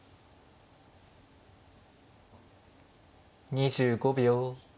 ２５秒。